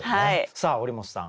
さあ堀本さん